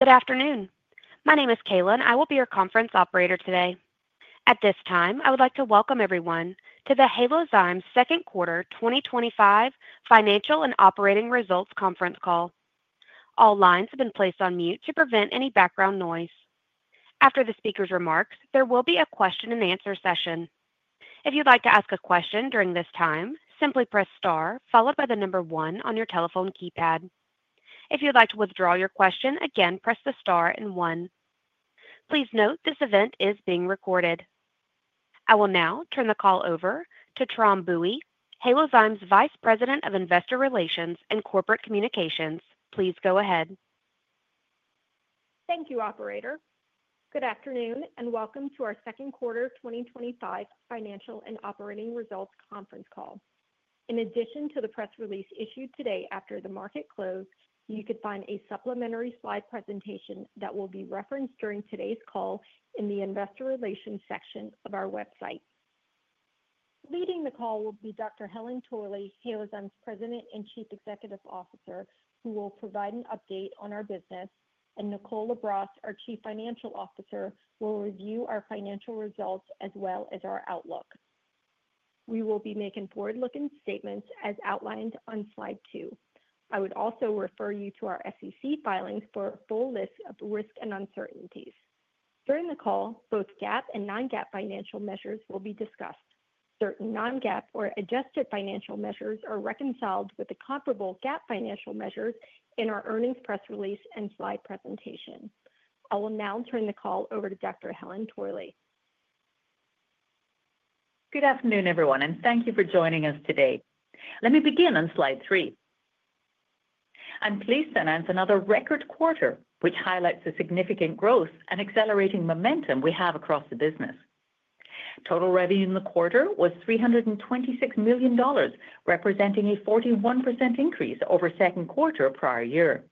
Good afternoon. My name is Kaylin. I will be your conference operator today. At this time, I would like to welcome everyone to the Halozyme Second Quarter 2025 Financial and Operating Results Conference Call. All lines have been placed on mute to prevent any background noise. After the speaker's remarks, there will be a question-and-answer session. If you'd like to ask a question during this time, simply press star followed by the number one on your telephone keypad. If you'd like to withdraw your question, again press the star and one. Please note this event is being recorded. I will now turn the call over to Tram Bui, Halozyme's Vice President of Investor Relations and Corporate Communications. Please go ahead. Thank you, operator. Good afternoon, and welcome to our Second Quarter 2025 Financial and Operating Results Conference Call. In addition to the press release issued today after the market close, you can find a supplementary slide presentation that will be referenced during today's call in the Investor Relations section of our website. Leading the call will be Dr. Helen Torley, Halozyme's President and Chief Executive Officer, who will provide an update on our business, and Nicole LaBrosse, our Chief Financial Officer, will review our financial results as well as our outlook. We will be making forward-looking statements as outlined on slide two. I would also refer you to our SEC filings for a full list of risks and uncertainties. During the call, both GAAP and non-GAAP financial measures will be discussed. Certain non-GAAP or adjusted financial measures are reconciled with the comparable GAAP financial measures in our earnings press release and slide presentation. I will now turn the call over to Dr. Helen Torley. Good afternoon, everyone, and thank you for joining us today. Let me begin on slide three. I'm pleased to announce another record quarter, which highlights the significant growth and accelerating momentum we have across the business. Total revenue in the quarter was $326 million, representing a 41% increase over the second quarter of the prior year.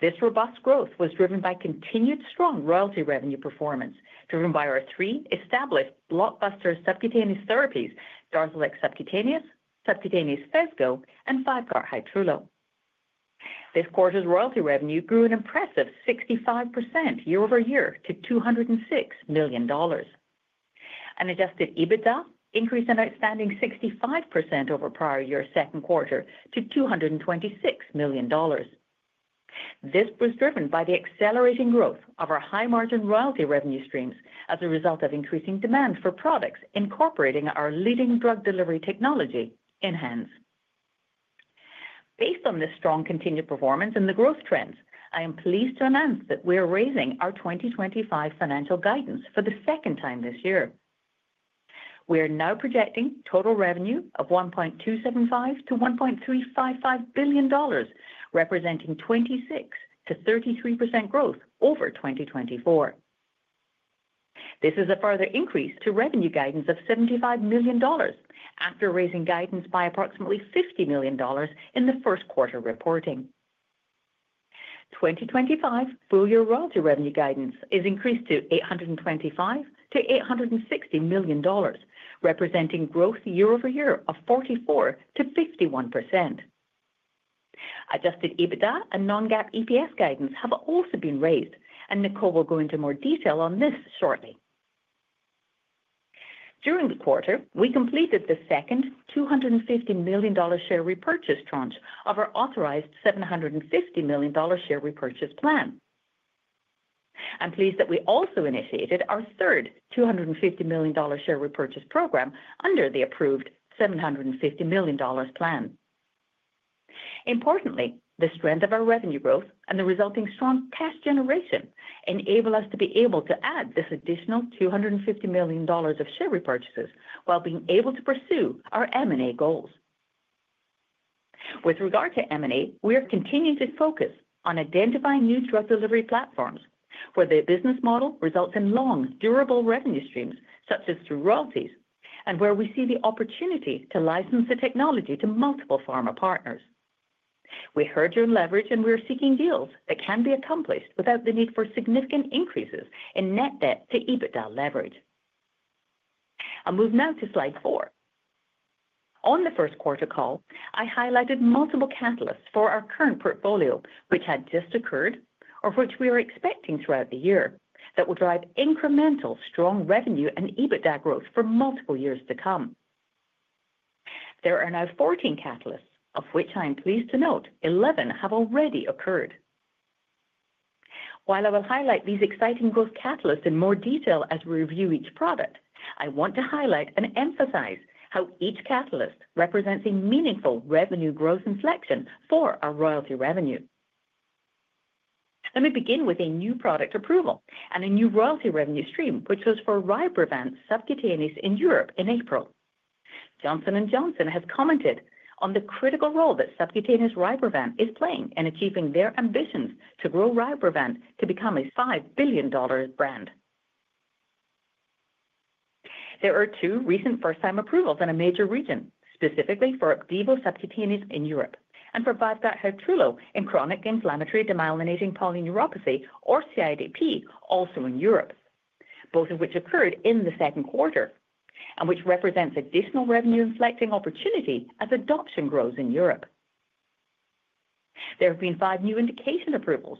This robust growth was driven by continued strong royalty revenue performance, driven by our three established blockbuster subcutaneous therapies, Darzalex subcutaneous, subcutaneous Phesgo, and Vyvgart Hytrulo. This quarter's royalty revenue grew an impressive 65% year-over-year to $206 million. Adjusted EBITDA increased an outstanding 65% over the prior year's second quarter to $226 million. This was driven by the accelerating growth of our high-margin royalty revenue streams, as a result of increasing demand for products, incorporating our leading drug delivery technology, ENHANZE. Based on this strong continued performance and the growth trends, I am pleased to announce that we are raising our 2025 financial guidance for the second time this year. We are now projecting total revenue of $1.275 billion-$1.355 billion, representing 26%-33% growth over 2024. This is a further increase to revenue guidance of $75 million, after raising guidance by approximately $50 million in the first quarter reporting. 2025 full-year royalty revenue guidance has increased to $825 million-$860 million, representing growth year-over-year of 44%-51%. Adjusted EBITDA and non-GAAP EPS guidance have also been raised, and Nicole will go into more detail on this shortly. During the quarter, we completed the second $250 million share repurchase tranche of our authorized $750 million share repurchase plan. I'm pleased that we also initiated our third $250 million share repurchase program under the approved $750 million plan. Importantly, the strength of our revenue growth and the resulting strong cash generation enable us to be able to add this additional $250 million of share repurchases, while being able to pursue our M&A goals. With regard to M&A, we are continuing to focus on identifying new drug delivery platforms where the business model results in long, durable revenue streams, such as through royalties, and where we see the opportunity to license the technology to multiple pharma partners. We heard your leverage, and we are seeking deals that can be accomplished without the need for significant increases in net debt to EBITDA leverage. I'll move now to slide four. On the first quarter call, I highlighted multiple catalysts for our current portfolio, which had just occurred, of which we are expecting throughout the year, that will drive incremental strong revenue and EBITDA growth for multiple years to come. There are now 14 catalysts, of which I am pleased to note 11 have already occurred. While I will highlight these exciting growth catalysts in more detail as we review each product, I want to highlight and emphasize how each catalyst represents a meaningful revenue growth inflection for our royalty revenue. Let me begin with a new product approval and a new royalty revenue stream, which was for Rybrevant subcutaneous in Europe in April. Johnson & Johnson has commented on the critical role that subcutaneous Rybrevant is playing in achieving their ambitions to grow Rybrevant to become a $5 billion brand. There are two recent first-time approvals in a major region, specifically for Opdivo subcutaneous in Europe and for Vyvgart Hytrulo in chronic inflammatory demyelinating polyneuropathy, or CIDP, also in Europe, both of which occurred in the second quarter and which represents additional revenue inflecting opportunity as adoption grows in Europe. There have been five new indication approvals.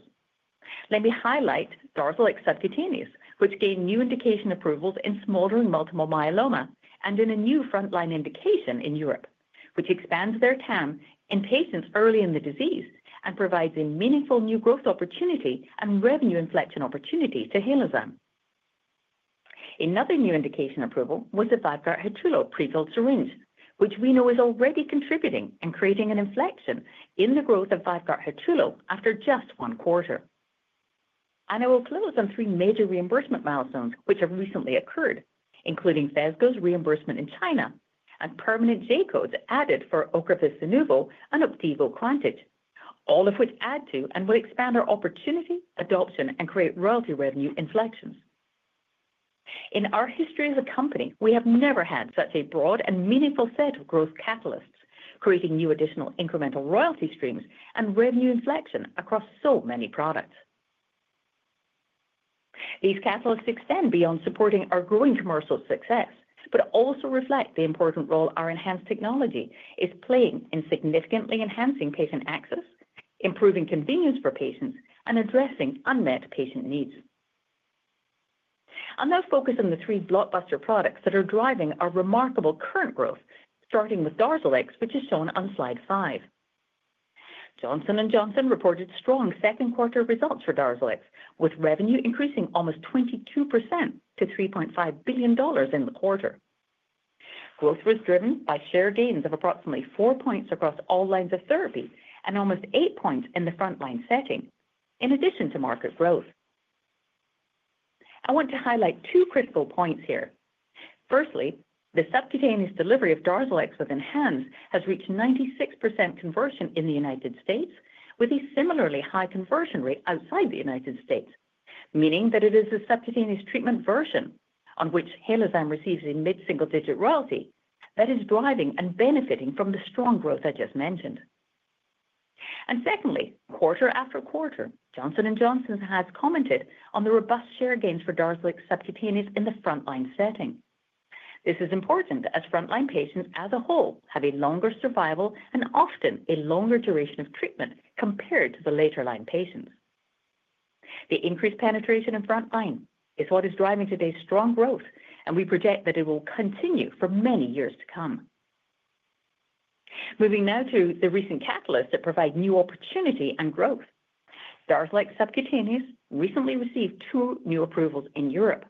Let me highlight Darzalex subcutaneous, which gained new indication approvals in smoldering multiple myeloma and in a new frontline indication in Europe, which expands their TAM in patients early in the disease and provides a meaningful new growth opportunity and revenue inflection opportunity to Halozyme. Another new indication approval was the Vyvgart Hytrulo prefilled syringe, which we know is already contributing and creating an inflection in the growth of Vyvgart Hytrulo after just one quarter. I will close on three major reimbursement milestones which have recently occurred, including Phesgo's reimbursement in China and permanent J codes added for Ocrevus Zunovo and Opdivo Qvantig, all of which add to and will expand our opportunity, adoption, and create royalty revenue inflections. In our history as a company, we have never had such a broad and meaningful set of growth catalysts, creating new additional incremental royalty streams and revenue inflection across so many products. These catalysts extend beyond supporting our growing commercial success, but also reflect the important role our ENHANZE technology is playing in significantly enhancing patient access, improving convenience for patients, and addressing unmet patient needs. I'll now focus on the three blockbuster products that are driving our remarkable current growth, starting with Darzalex, which is shown on slide five. Johnson & Johnson reported strong second-quarter results for Darzalex, with revenue increasing almost 22% to $3.5 billion in the quarter. Growth was driven by share gains of approximately four points across all lines of therapy, and almost eight points in the frontline setting, in addition to market growth. I want to highlight two critical points here. Firstly, the subcutaneous delivery of Darzalex with ENHANZE has reached 96% conversion in the United States, with a similarly high conversion rate outside the United States, meaning that it is the subcutaneous treatment version on which Halozyme receives a mid-single-digit royalty that is driving and benefiting from the strong growth I just mentioned. Secondly, quarter after quarter, Johnson & Johnson has commented on the robust share gains for Darzalex subcutaneous in the frontline setting. This is important, as frontline patients as a whole have a longer survival and often a longer duration of treatment compared to the later-line patients. The increased penetration in frontline is what is driving today's strong growth, and we project that it will continue for many years to come. Moving now to the recent catalysts that provide new opportunity and growth, Darzalex subcutaneous recently received two new approvals in Europe.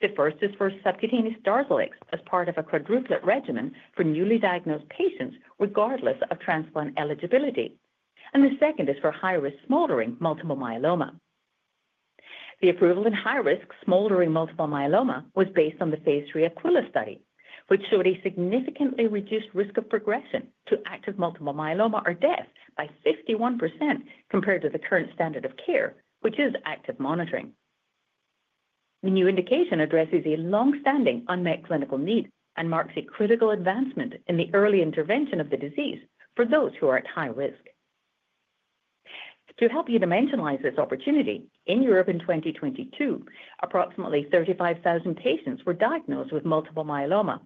The first is for subcutaneous Darzalex, as part of a quadruplet regimen for newly diagnosed patients, regardless of transplant eligibility. The second is for high-risk smoldering multiple myeloma. The approval in high-risk smoldering multiple myeloma was based on the phase III AQUILA study, which showed a significantly reduced risk of progression to active multiple myeloma or death by 51% compared to the current standard of care, which is active monitoring. The new indication addresses a longstanding unmet clinical need, and marks a critical advancement in the early intervention of the disease for those who are at high risk. To help you dimensionalize this opportunity, in Europe in 2022, approximately 35,000 patients were diagnosed with multiple myeloma,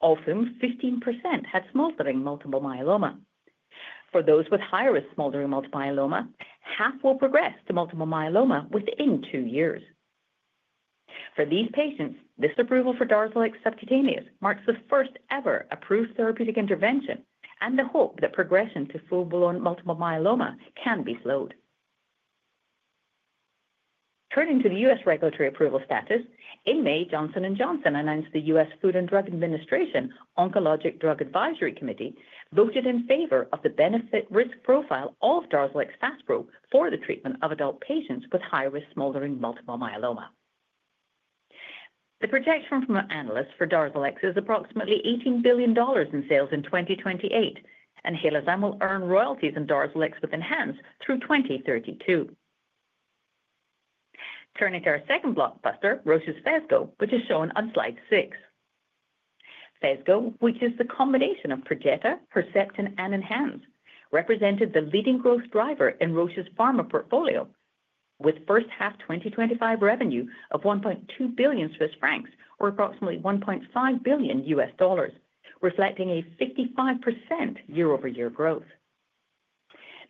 of whom 15% had smoldering multiple myeloma. For those with high-risk smoldering multiple myeloma, half will progress to multiple myeloma within two years. For these patients, this approval for Darzalex subcutaneous marks the first ever approved therapeutic intervention, and the hope that progression to full-blown multiple myeloma can be slowed. Turning to the U.S. regulatory approval status, in May, Johnson & Johnson announced the U.S. Food and Drug Administration Oncologic Drug Advisory Committee voted in favor of the benefit-risk profile of Darzalex Faspro, for the treatment of adult patients with high-risk smoldering multiple myeloma. The projection from analysts for Darzalex is approximately $18 billion in sales in 2028, and Halozyme will earn royalties in Darzalex with ENHANZE through 2032. Turning to our second blockbuster, Roche's Phesgo, which is shown on slide six. Phesgo, which is the combination of Perjeta, Herceptin, and ENHANZE, represented the leading growth driver in Roche's pharma portfolio, with first half 2025 revenue of 1.2 billion Swiss francs or approximately $1.5 billion, reflecting a 55% year-over-year growth.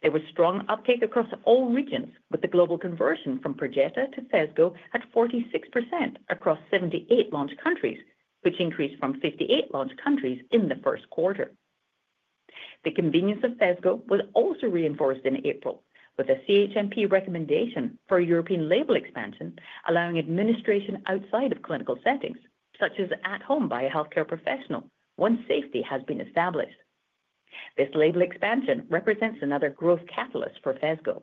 There was strong uptake across all regions, with the global conversion from Perjeta to Phesgo at 46% across 78 launch countries, which increased from 58 launch countries in the first quarter. The convenience of Phesgo was also reinforced in April, with a CHMP recommendation for a European label expansion, allowing administration outside of clinical settings, such as at home by a healthcare professional, once safety has been established. This label expansion represents another growth catalyst for Phesgo.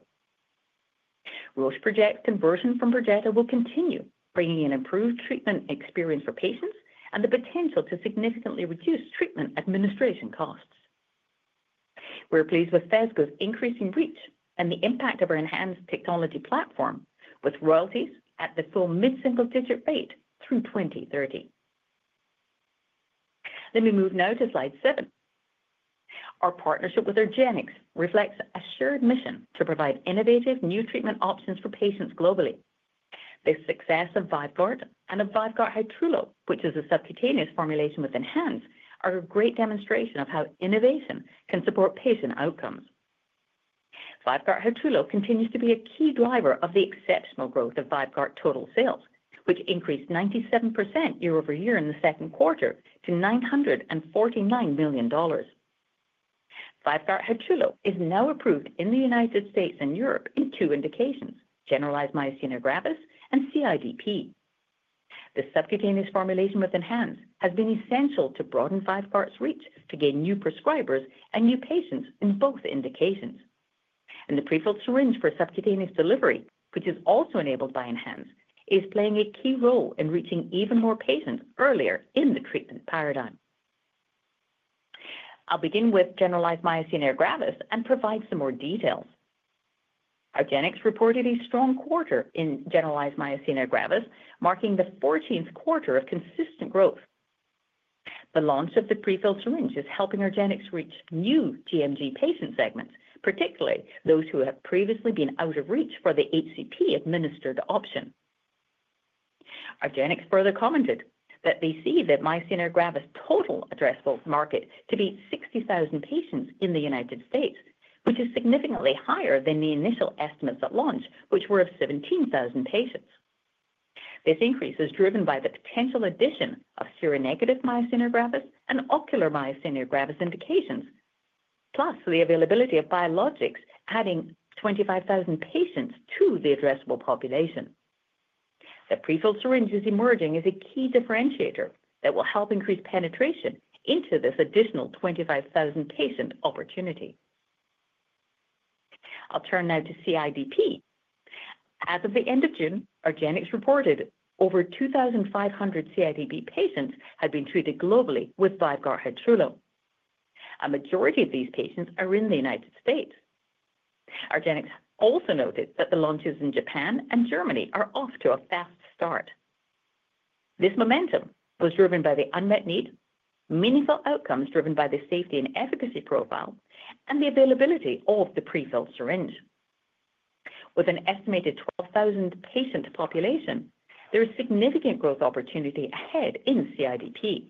Roche's project conversion from Perjeta will continue, bringing an improved treatment experience for patients and the potential to significantly reduce treatment administration costs. We're pleased with Phesgo's increasing reach, and the impact of our ENHANZE technology platform, with royalties at the full mid-single-digit rate through 2030. Let me move now to slide seven. Our partnership with argenx reflects a shared mission to provide innovative new treatment options for patients globally. The success of Vyvgart and of Vyvgart Hytrulo, which is a subcutaneous formulation with ENHANZE, are a great demonstration of how innovation can support patient outcomes. Vyvgart Hytrulo continues to be a key driver of the exceptional growth of Vyvgart total sales, which increased 97% year-over-year in the second quarter to $949 million. Vyvgart Hytrulo is now approved in the U.S. and Europe in two indications, generalized myasthenia gravis and CIDP. The subcutaneous formulation with ENHANZE has been essential to broaden Vyvgart's reach to gain new prescribers, and new patients in both indications. The prefilled syringe for subcutaneous delivery, which is also enabled by ENHANZE, is playing a key role in reaching even more patients earlier in the treatment paradigm. I'll begin with generalized myasthenia gravis, and provide some more details. Argenx reported a strong quarter in generalized myasthenia gravis, marking the 14th quarter of consistent growth. The launch of the prefilled syringe is helping argenx reach new gMG patient segments, particularly those who have previously been out of reach for the HCP-administered option. Argenx further commented that they see the myasthenia gravis total addressable market to be 60,000 patients in the U.S., which is significantly higher than the initial estimates at launch, which were of 17,000 patients. This increase is driven by the potential addition of seronegative myasthenia gravis and ocular myasthenia gravis indications, plus the availability of biologics, adding 25,000 patients to the addressable population. The prefilled syringe is emerging as a key differentiator that will help increase penetration into this additional 25,000 patient opportunity. I'll turn now to CIDP. As of the end of June, argenx reported over 2,500 CIDP patients have been treated globally with Vyvgart Hytrulo. A majority of these patients are in the United States. Argenx also noted that the launches in Japan and Germany are off to a fast start. This momentum was driven by the unmet need, meaningful outcomes driven by the safety and efficacy profile, and the availability of the prefilled syringe. With an estimated 12,000 patient population, there is significant growth opportunity ahead in CIDP.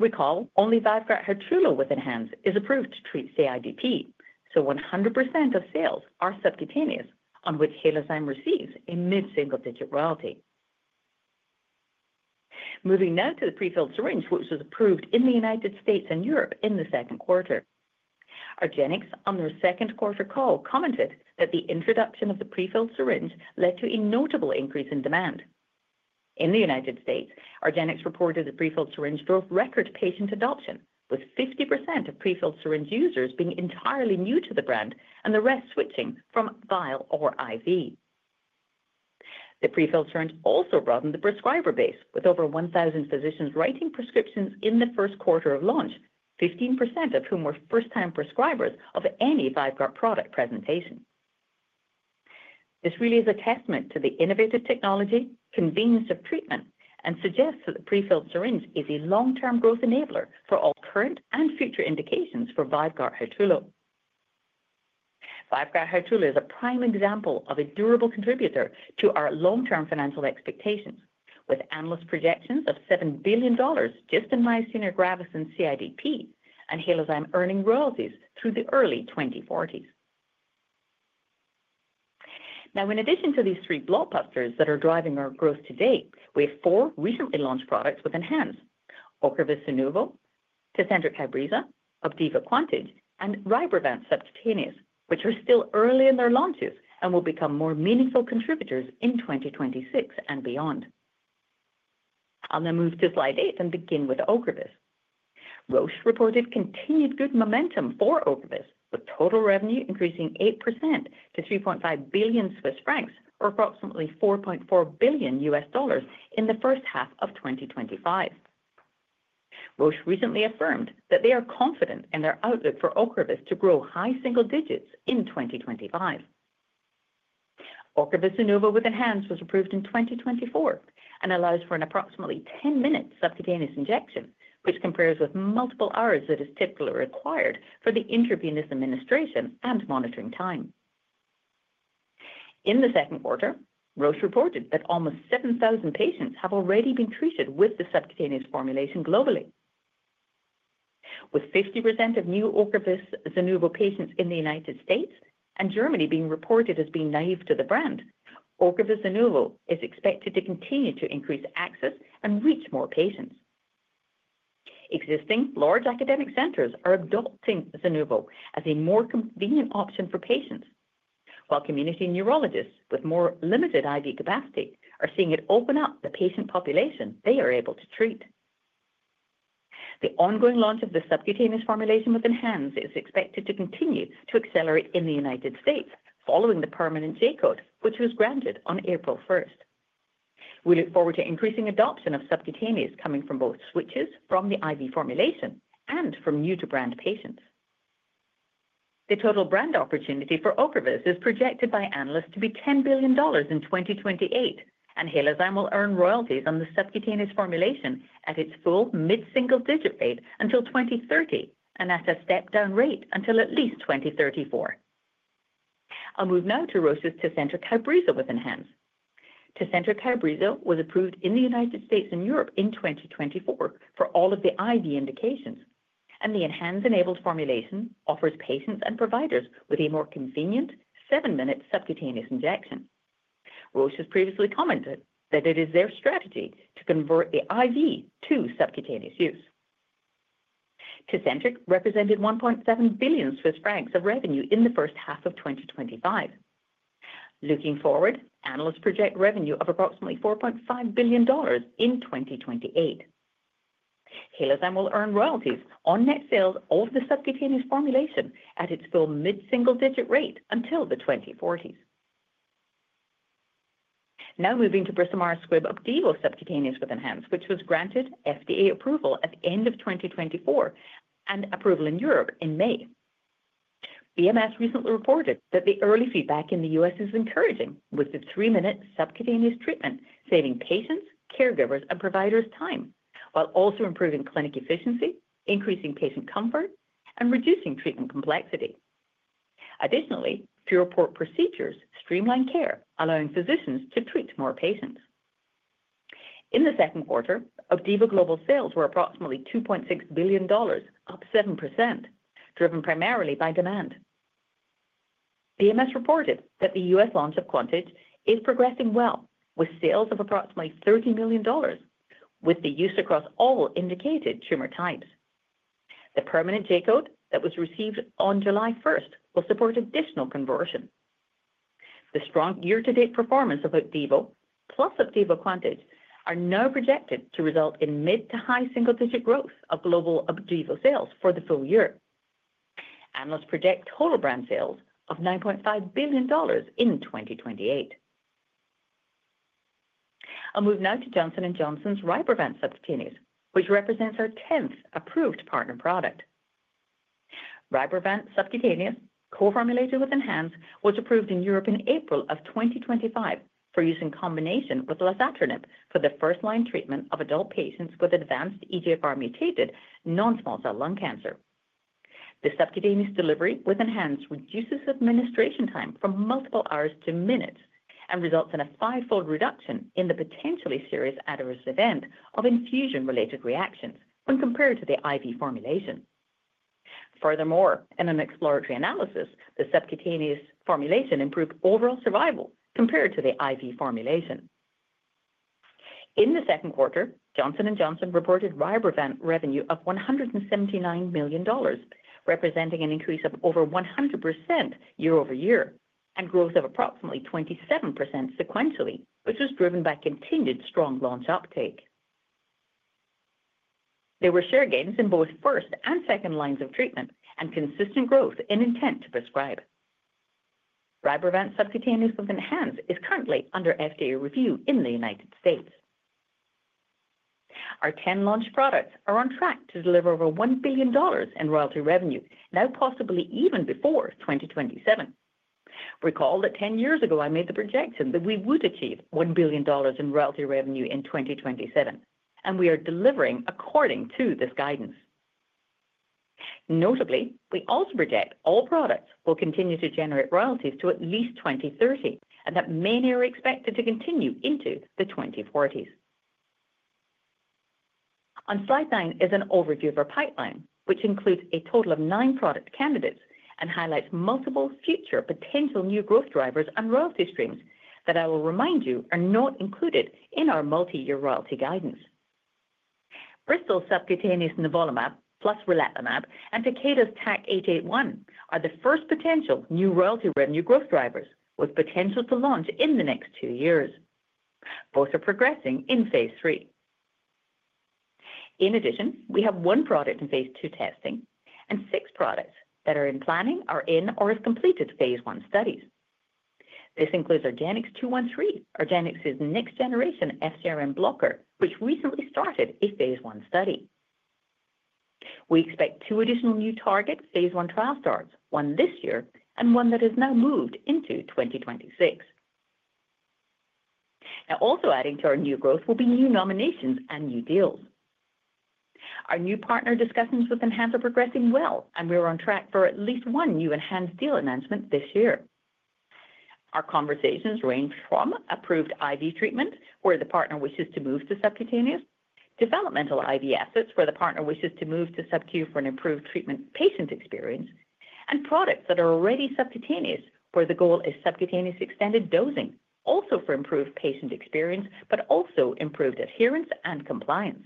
Recall, only Vyvgart Hytrulo with ENHANZE is approved to treat CIDP, so 100% of sales are subcutaneous, on which Halozyme receives a mid-single-digit royalty. Moving now to the prefilled syringe, which was approved in the U.S. and Europe in the second quarter. Argenx, on their second quarter call, commented that the introduction of the prefilled syringe led to a notable increase in demand. In the United States, argenx reported the prefilled syringe drove record patient adoption, with 50% of prefilled syringe users being entirely new to the brand and the rest switching from vial or IV. The prefilled syringe also broadened the prescriber base, with over 1,000 physicians writing prescriptions in the first quarter of launch, 15% of whom were first-time prescribers of any Vyvgart product presentation. This really is a testament to the innovative technology, convenience of treatment, and suggests that the prefilled syringe is a long-term growth enabler for all current and future indications for Vyvgart Hytrulo. Vyvgart Hytrulo is a prime example of a durable contributor to our long-term financial expectations, with analyst projections of $7 billion just in myasthenia gravis and CIDP, and Halozyme earning royalties through the early 2040s. Now, in addition to these three blockbusters that are driving our growth today, we have four recently launched products with ENHANZE, Ocrevus Zunovo, Opdivo Qvantig, and Rybrevant subcutaneous, which are still early in their launches and will become more meaningful contributors in 2026 and beyond. I'll now move to slide eight and begin with Ocrevus. Roche reported continued good momentum for Ocrevus, with total revenue increasing 8% to 3.5 billion Swiss francs, or approximately $4.4 billion, in the first half of 2025. Roche recently affirmed that they are confident in their outlook for Ocrevus to grow high single digits in 2025. Ocrevus Zunovo with ENHANZE was approved in 2024, and allows for an approximately 10-minute subcutaneous injection, which compares with multiple hours that is typically required for the intravenous administration and monitoring time. In the second quarter, Roche reported that almost 7,000 patients have already been treated with the subcutaneous formulation globally. With 50% of new Ocrevus Zunovo patients in the United States and Germany being reported as being naive to the brand, Ocrevus Zunovo is expected to continue to increase access and reach more patients. Existing large academic centers are adopting Zunovo as a more convenient option for patients, while community neurologists with more limited IV capacity are seeing it open up the patient population they are able to treat. The ongoing launch of the subcutaneous formulation with ENHANZE is expected to continue to accelerate in the United States, following the permanent J code, which was granted on April 1st. We look forward to increasing adoption of subcutaneous coming from both switches, from the IV formulation and from new-to-brand patients. The total brand opportunity for Ocrevus is projected by analysts to be $10 billion in 2028, and Halozyme will earn royalties on the subcutaneous formulation at its full mid-single-digit rate until 2030, and at a step-down rate until at least 2034. I'll move now to Roche's with ENHANZE. was approved in the United States and Europe in 2024 for all of the IV indications. the ENHANZE-enabled formulation offers patients and providers a more convenient seven-minute subcutaneous injection. Roche has previously commented that it is their strategy to convert the IV to subcutaneous use. represented 1.7 billion Swiss francs of revenue in the first half of 2025. Looking forward, analysts project revenue of approximately $4.5 billion in 2028. Halozyme will earn royalties on net sales of the subcutaneous formulation at its full mid-single-digit rate until the 2040s. Now moving to Bristol-Myers Squibb Opdivo subcutaneous with ENHANZE, which was granted FDA approval at the end of 2024 and approval in Europe in May. BMS recently reported that the early feedback in the U.S. is encouraging, with the three-minute subcutaneous treatment, saving patients, caregivers, and providers time, while also improving clinic efficiency, increasing patient comfort and reducing treatment complexity. Additionally, procedures streamline care, allowing physicians to treat more patients. In the second quarter, Opdivo global sales were approximately $2.6 billion, up 7%, driven primarily by demand. BMS reported that the U.S. launch of Qvantig is progressing well, with sales of approximately $30 million, with the use across all indicated tumor types. The permanent J code that was received on July 1st will support additional conversion. The strong year-to-date performance of Opdivo, plus Opdivo Qvantig are now projected to result in mid to high single-digit growth of global Opdivo sales for the full year. Analysts project total brand sales of $9.5 billion in 2028. I'll move now to Johnson & Johnson's Rybrevant Subcutaneous, which represents our 10th approved partner product. Rybrevant subcutaneous, co-formulated with ENHANZE, was approved in Europe in April of 2025 for use in combination with Lazertinib for the first-line treatment of adult patients with advanced EGFR-mutated non-small cell lung cancer. The subcutaneous delivery with ENHANZE reduces administration time from multiple hours to minutes, and results in a five-fold reduction in the potentially serious adverse event of infusion-related reaction, when compared to the IV formulation. Furthermore, in an exploratory analysis, the subcutaneous formulation improved overall survival compared to the IV formulation. In the second quarter, Johnson & Johnson reported Rybrevant revenue of $179 million, representing an increase of over 100% year-over-year, and growth of approximately 27% sequentially, which was driven by continued strong launch uptake. There were share gains in both first and second lines of treatment, and consistent growth in intent to prescribe. Rybrevant subcutaneous with ENHANZE is currently under FDA review in the United States. Our 10 launch products are on track to deliver over $1 billion in royalty revenue, now possibly even before 2027. Recall that 10 years ago, I made the projection that we would achieve $1 billion in royalty revenue in 2027, and we are delivering according to this guidance. Notably, we also project all products will continue to generate royalties to at least 2030, and that many are expected to continue into the 2040s. On slide nine is an overview of our pipeline, which includes a total of nine product candidates and highlights multiple future potential new growth drivers and royalty streams that I will remind you, are not included in our multi-year royalty guidance. Bristol subcutaneous nivolumab plus relatlimab and Takeda's TAK-881 are the first potential new royalty revenue growth drivers, with potential to launch in the next two years. Both are progressing in phase III. In addition, we have one product in phase II testing, and six products that are in planning or in or have completed phase I studies. This includes argenx 213, argenx's next-generation FcRn blocker, which recently started a phase I study. We expect two additional new target phase I trial starts, one this year and one that has now moved into 2026. Also, adding to our new growth will be new nominations and new deals. Our new partner discussions with ENHANZE are progressing well, and we are on track for at least one new ENHANZE deal announcement this year. Our conversations range from approved IV treatment, where the partner wishes to move to subcutaneous, developmental IV assets, where the partner wishes to move to subcu for an improved treatment patient experience, and products that are already subcutaneous, where the goal is subcutaneous extended dosing, also for improved patient experience, but also improved adherence and compliance.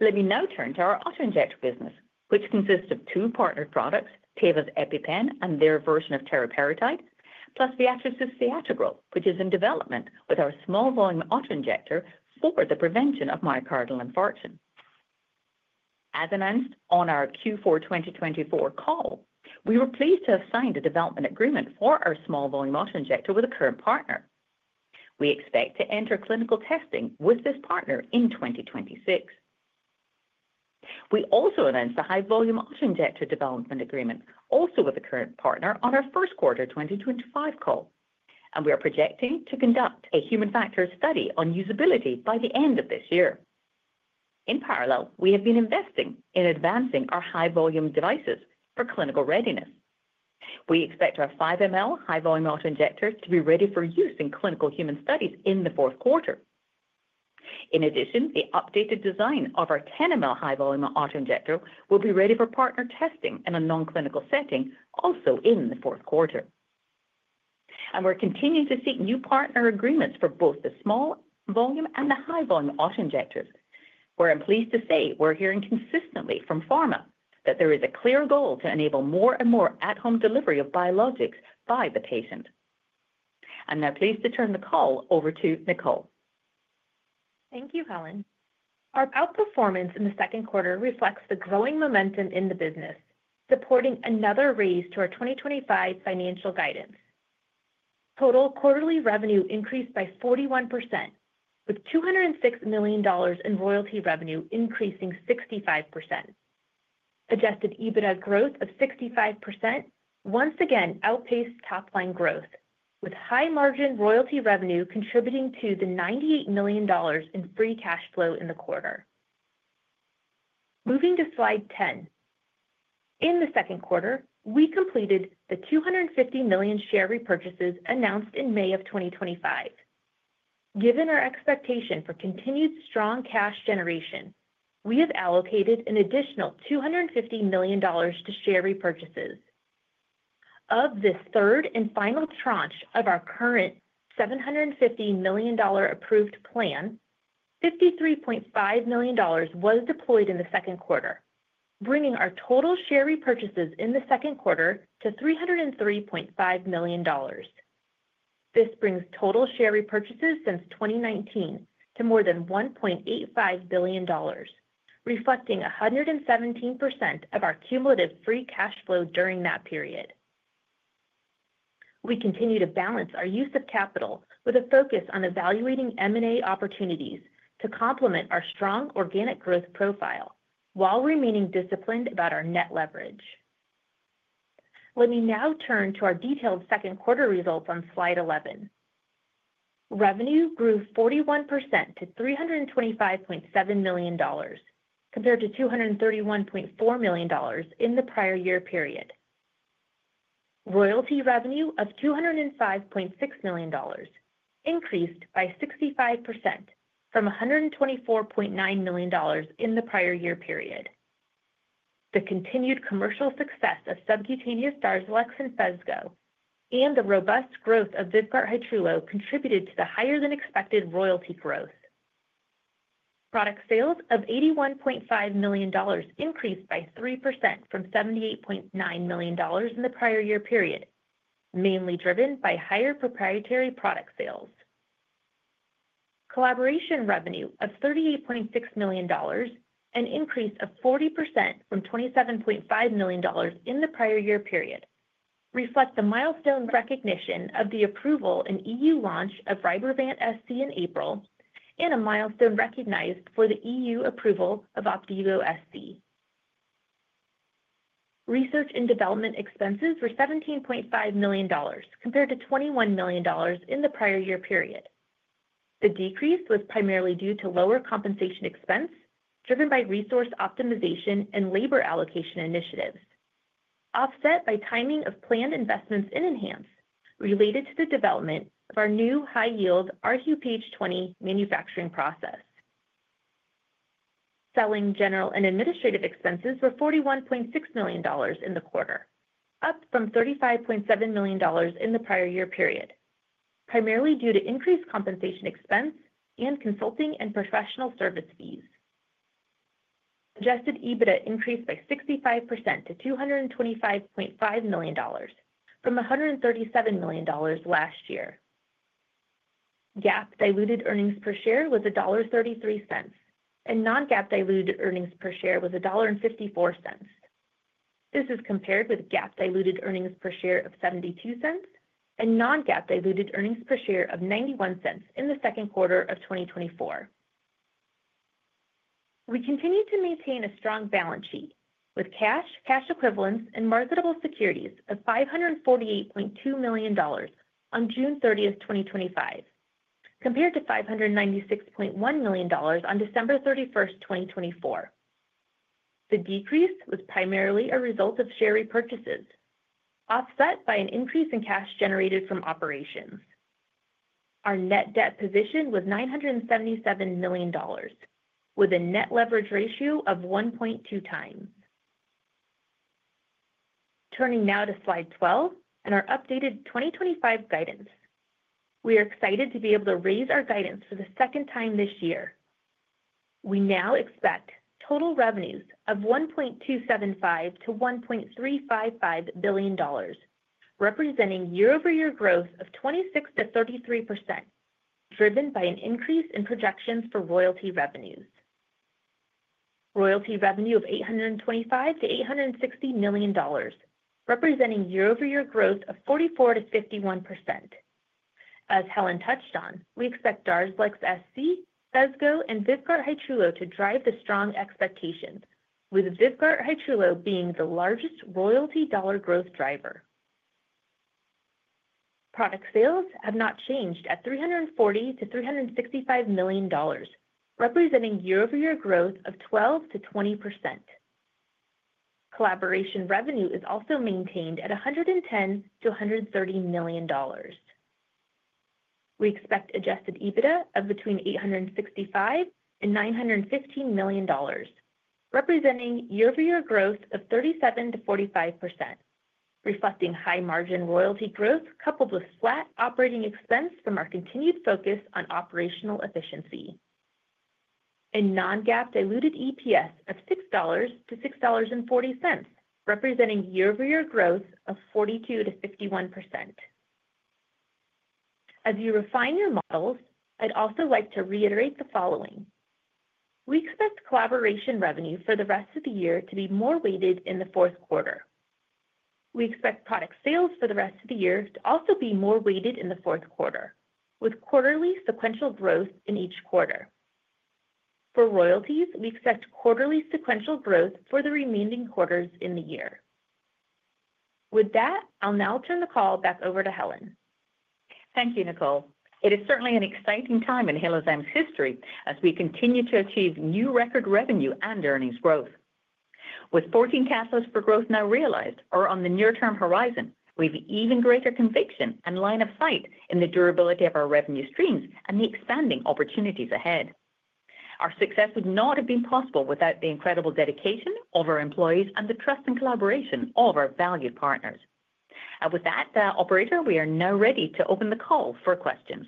Let me now turn to our autoinjector business, which consists of two partner products, Teva Pharmaceuticals' EpiPen and their version of teriparatide, plus Viatris's, which is in development with our small volume autoinjector for the prevention of myocardial infarction. As announced on our Q4 2024 call, we were pleased to have signed a development agreement for our small-volume autoinjector with a current partner. We expect to enter clinical testing with this partner in 2026. We also announced a high volume autoinjector development agreement, also with a current partner on our first quarter 2025 call. We are projecting to conduct a human factor study on usability by the end of this year. In parallel, we have been investing in advancing our high-volume devices for clinical readiness. We expect our 5 ml high-volume autoinjectors to be ready for use in clinical human studies in the fourth quarter. In addition, the updated design of our 10 ml high volume autoinjector will be ready for partner testing in a non-clinical setting, also in the fourth quarter. We are continuing to seek new partner agreements for both the small volume and the high-volume autoinjectors. I am pleased to say we are hearing consistently from pharma that there is a clear goal to enable more and more at-home delivery of biologics by the patient. I'm now pleased to turn the call over to Nicole. Thank you, Helen. Our outperformance in the second quarter reflects the growing momentum in the business, supporting another raise to our 2025 financial guidance. Total quarterly revenue increased by 41%, with $206 million in royalty revenue increasing 65%. Adjusted EBITDA growth of 65% once again outpaced top-line growth, with high-margin royalty revenue contributing to the $98 million in free cash flow in the quarter. Moving to slide 10. In the second quarter, we completed the $250 million share repurchases announced in May of 2025. Given our expectation for continued strong cash generation, we have allocated an additional $250 million to share repurchases. Of this third and final tranche of our current $750 million approved plan, $53.5 million was deployed in the second quarter, bringing our total share repurchases in the second quarter to $303.5 million. This brings total share repurchases since 2019 to more than $1.85 billion, reflecting 117% of our cumulative free cash flow during that period. We continue to balance our use of capital with a focus on evaluating M&A opportunities to complement our strong organic growth profile, while remaining disciplined about our net leverage. Let me now turn to our detailed second quarter results on slide 11. Revenue grew 41% to $325.7 million compared to $231.4 million in the prior year period. Royalty revenue of $205.6 million increased by 65% from $124.9 million in the prior year period. The continued commercial success of subcutaneous Darzalex and Phesgo, and the robust growth of Vyvgart Hytrulo contributed to the higher-than-expected royalty growth. Product sales of $81.5 million increased by 3% from $78.9 million in the prior year period, mainly driven by higher proprietary product sales. Collaboration revenue of $38.6 million, an increase of 40% from $27.5 million in the prior year period, reflect the milestone recognition of the approval and EU launch of Rybrevant SC in April, and a milestone recognized for the EU approval of Opdivo SC. Research and development expenses were $17.5 million, compared to $21 million in the prior year period. The decrease was primarily due to lower compensation expense, driven by resource optimization and labor allocation initiatives, offset by timing of planned investments in ENHANZE, related to the development of our new high-yield rHuPH20 manufacturing process. Selling, general, and administrative expenses were $41.6 million in the quarter, up from $35.7 million in the prior year period, primarily due to increased compensation expense and consulting and professional service fees. Adjusted EBITDA increased by 65% to $225.5 million from $137 million last year. GAAP diluted earnings per share was $1.33, and non-GAAP diluted earnings per share was $1.54. This is compared with GAAP diluted earnings per share of $0.72, and non-GAAP diluted earnings per share of $0.91 in the second quarter of 2024. We continue to maintain a strong balance sheet with cash, cash equivalents, and marketable securities of $548.2 million on June 30th, 2025, compared to $596.1 million on December 31st, 2024. The decrease was primarily a result of share repurchases, offset by an increase in cash generated from operations. Our net debt position was $977 million, with a net leverage ratio of 1.2x. Turning now to slide 12 and our updated 2025 guidance, we are excited to be able to raise our guidance for the second time this year. We now expect total revenues of $1.275 billion-$1.355 billion, representing year-over-year growth of 26%-33%, driven by an increase in projections for royalty revenues. Royalty revenue of $825 million-$860 million, representing year-over-year growth of 44%-51%. As Helen touched on, we expect Darzalex SC, Phesgo, and Vyvgart Hytrulo to drive the strong expectations, with Vyvgart Hytrulo being the largest royalty dollar growth driver. Product sales have not changed at $340 million-$365 million, representing year-over-year growth of 12%-20%. Collaboration revenue is also maintained at $110 million-$130 million. We expect adjusted EBITDA of between $865 and $915 million, representing year-over-year growth of 37%-45%, reflecting high-margin royalty growth, coupled with flat operating expense from our continued focus on operational efficiency and non-GAAP diluted EPS of $6-$6.40, representing year-over-year growth of 42%-51%. As you refine your models, I'd also like to reiterate the following. We expect collaboration revenue for the rest of the year to be more weighted in the fourth quarter. We expect product sales for the rest of the year to also be more weighted in the fourth quarter, with quarterly sequential growth in each quarter. For royalties, we expect quarterly sequential growth for the remaining quarters in the year. With that, I'll now turn the call back over to Helen. Thank you, Nicole. It is certainly an exciting time in Halozyme's history, as we continue to achieve new record revenue and earnings growth. With 14 catalysts for growth now realized or on the near-term horizon, we have even greater conviction and line of sight in the durability of our revenue streams, and the expanding opportunities ahead. Our success would not have been possible without the incredible dedication of our employees, and the trust and collaboration of our valued partners. With that, now operator, we are now ready to open the call for questions.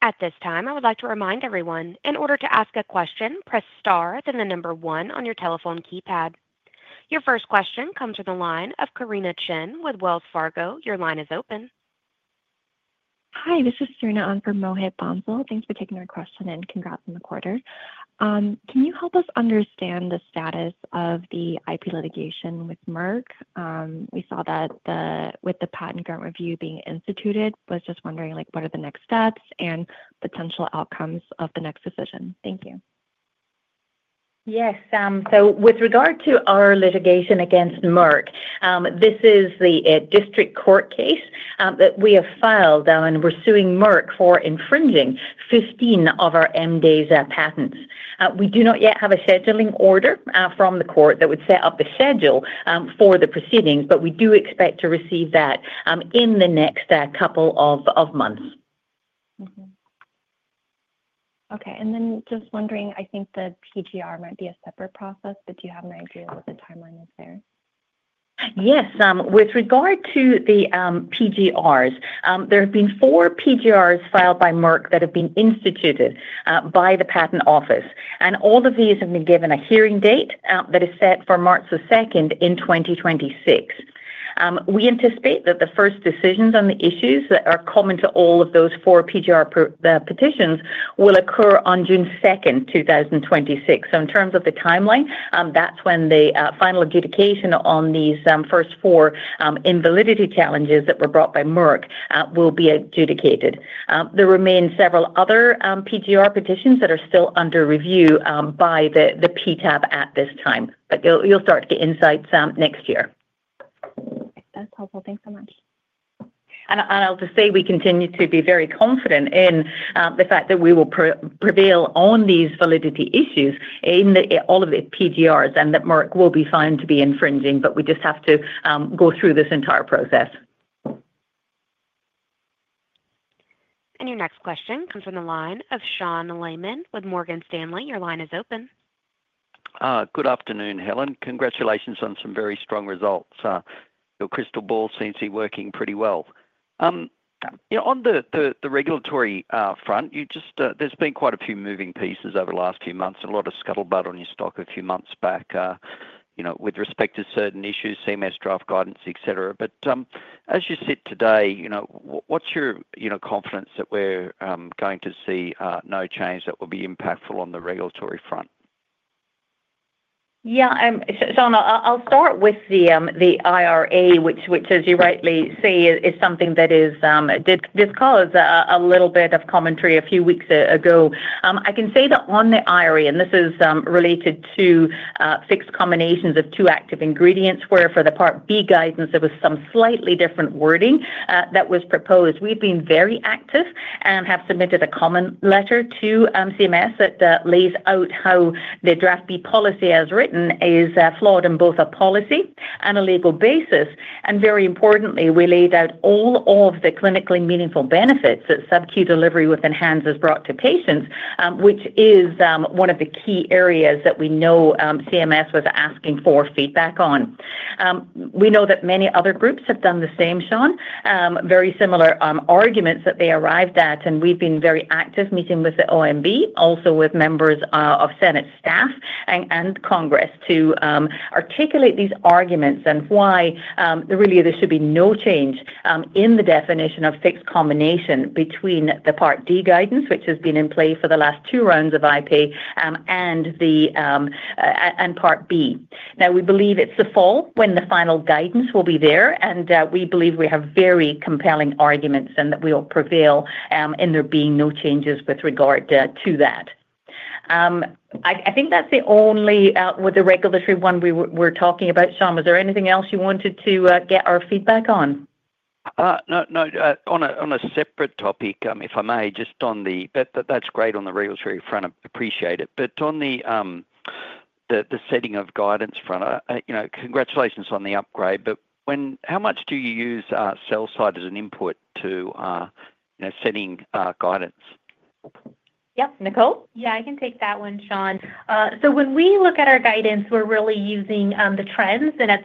At this time, I would like to remind everyone, in order to ask a question, press star then the number one on your telephone keypad. Your first question comes from the line of Karina Chen with Wells Fargo. Your line is open. Hi, this is [Trina] from [Mohit Bansal]. Thanks for taking our question, and congrats on the quarter. Can you help us understand the status of the IP litigation with Merck? We saw that with the patent grant review being instituted, was just wondering, what are the next steps and potential outcomes of the next decision? Thank you. Yes. With regard to our litigation against Merck, this is the district court case that we have filed in pursuing Merck for infringing 15 of our MDASE patents. We do not yet have a scheduling order from the court that would set up the schedule for the proceedings, but we do expect to receive that in the next couple of months. Okay, just wondering, I think the PGR might be a separate process, but do you have an idea of what the timeline is there? Yes. With regard to the PGRs, there have been four PGRs filed by Merck that have been instituted by the patent office, and all of these have been given a hearing date that is set for March 2nd, 2026. We anticipate that the first decisions on the issues that are common to all of those four PGR petitions will occur on June 2nd, 2026. In terms of the timeline, that's when the final adjudication on these first four invalidity challenges that were brought by Merck will be adjudicated. There remain several other PGR petitions that are still under review by the PTAB at this time, but you'll start to get insights next year. That's helpful. Thanks so much. I'll just say, we continue to be very confident in the fact that we will prevail on these validity issues in all of the PGRs, and that Merck will be found to be infringing, but we just have to go through this entire process. Your next question comes from the line of Sean Lehmann with Morgan Stanley. Your line is open. Good afternoon, Helen. Congratulations on some very strong results. Your crystal ball seems to be working pretty well. On the regulatory front, there's been quite a few moving pieces over the last few months and a lot of scuttlebutt on your stock a few months back with respect to certain issues, CMS draft guidance, etc. As you sit today, what's your confidence that we're going to see no change that will be impactful on the regulatory front? Yeah. I'll start with the IRA, which as you rightly say, is something that did cause a little bit of commentary a few weeks ago. I can say that on the IRA, and this is related to fixed combinations of two active ingredients, where for the part B guidance, there was some slightly different wording that was proposed. We've been very active and have submitted a comment letter to CMS, that lays out how the draft B policy as written, is flawed on both a policy and a legal basis. Very importantly, we laid out all of the clinically meaningful benefits that subcu delivery with ENHANZE has brought to patients, which is one of the key areas that we know CMS was asking for feedback on. We know that many other groups have done the same, Sean, very similar arguments that they arrived at. We've been very active meeting with the OMB, also with members of Senate staff and Congress to articulate these arguments, and why really there should be no change in the definition of fixed combination between the part D guidance, which has been in play for the last two rounds of IP and part B. Now, we believe it's the fall when the final guidance will be there, and we believe we have very compelling arguments and that we will prevail in there being no changes with regard to that. With the regulatory one we were talking about, Sean, was there anything else you wanted to get our feedback on? That's great on the regulatory front. Appreciate it. On the setting of guidance front, congratulations on the upgrade. How much do you use sell side as an input in setting guidance? Yep, Nicole? Yeah, I can take that one, Sean. When we look at our guidance, we're really using the trends. At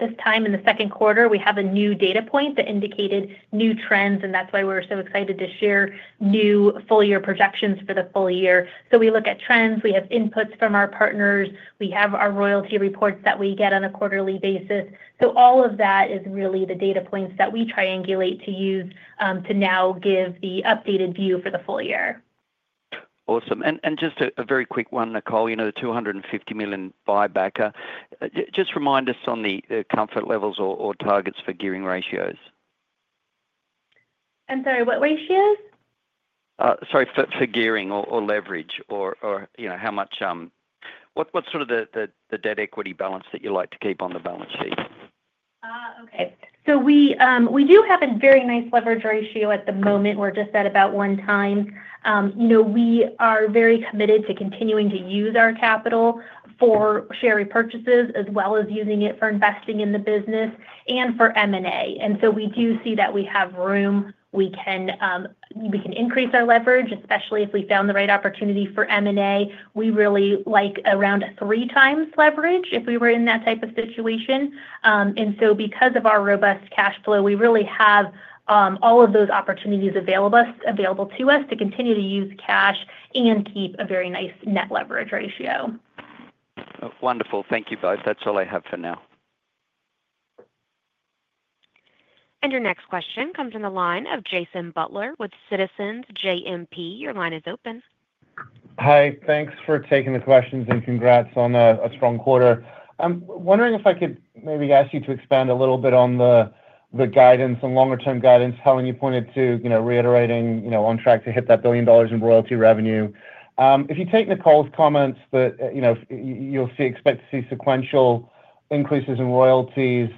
this time in the second quarter, we have a new data point that indicated new trends. That's why we're so excited to share new full-year projections for the full year. We look at trends, we have inputs from our partners, we have our royalty reports that we get on a quarterly basis. All of that is really the data points that we triangulate to use to now give the updated view for the full year. Awesome, and just a very quick one, Nicole, the $250 million buyback, just remind us on the comfort levels or targets for gearing ratios. I'm sorry, what ratios? Sorry, for gearing or leverage, or what's the debt equity balance that you like to keep on the balance sheet? Okay. We do have a very nice net leverage ratio at the moment. We're just at about one time. We are very committed to continuing to use our capital for share repurchases, as well as using it for investing in the business and for M&A. We do see that we have room. We can increase our leverage, especially if we found the right opportunity for M&A. We really like around 3x leverage if we were in that type of situation, and so because of our robust cash flow, we really have all of those opportunities available to us to continue to use cash and keep a very nice net leverage ratio. Wonderful, thank you both. That's all I have for now. Your next question comes from the line of Jason Butler with Citizens JMP. Your line is open. Hi. Thanks for taking the questions, and congrats on a strong quarter. I'm wondering if I could maybe ask you to expand a little bit on the guidance and longer-term guidance. Helen, you pointed to reiterating on track to hit that $1 billion in royalty revenue. If you take Nicole's comments, that you'll expect to see sequential increases in royalties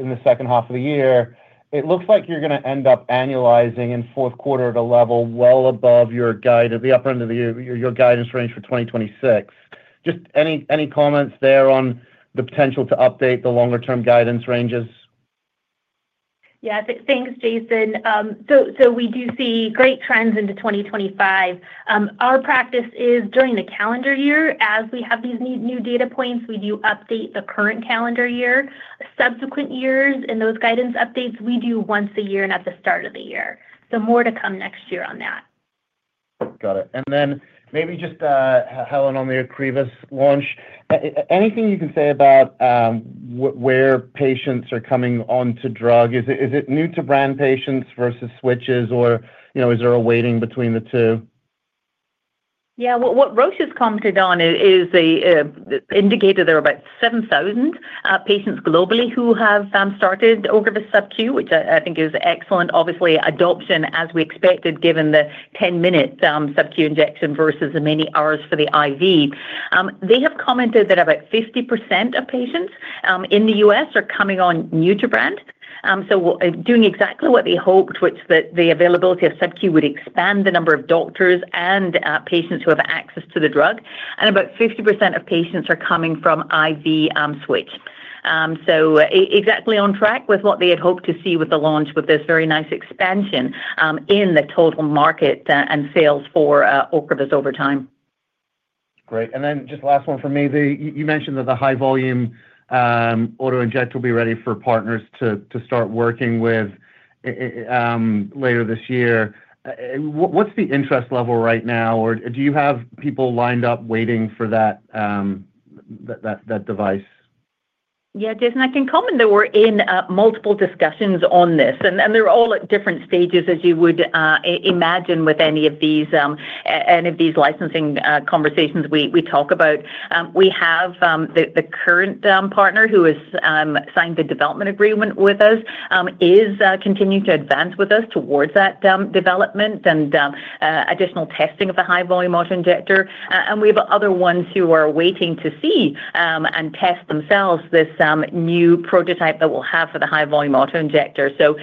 in the second half of the year, it looks like you're going to end up annualizing in fourth quarter at a level well above the upper end of your guidance range for 2026. Just any comments there on the potential to update the longer-term guidance ranges? Yes. Thanks, Jason. We do see great trends into 2025. Our practice is during the calendar year. As we have these new data points, we do update the current calendar year. Subsequent years in those guidance updates, we do once a year, at the start of the year. More to come next year on that. Got it. Maybe just, Helen, on the Ocrevus launch, anything you can say about where patients are coming onto drugs? Is it new to brand patients versus switches, or is there a weighting between the two? Yeah, what Roche has commented on is the indicator there are, about 7,000 patients globally who have started Ocrevus subcu, which I think is excellent obviously, adoption as we expected, given the 10-minute subcutaneous injection versus the many hours for the IV. They have commented that about 50% of patients in the U.S. are coming on new to brands, and so doing exactly what they hoped, which is that the availability of subcutaneous would expand the number of doctors and patients who have access to the drug. About 50% of patients are coming from IV switch, so exactly on track with what they had hoped to see with the launch with this very nice expansion in the total market and sales for Ocrevus over time. Great. Just last one from me, you mentioned that the high-volume autoinjector will be ready for partners to start working with later this year. What's the interest level right now, or do you have people lined up waiting for that device? Yeah. Jason, I can comment that we're in multiple discussions on this, and they're all at different stages, as you would imagine with any of these licensing conversations we talk about. We have the current partner who has signed the development agreement with us, is continuing to advance with us towards that development and additional testing of the high-volume autoinjector. We've other ones who are waiting to see and test themselves this new prototype that we'll have for the high-volume autoinjector, so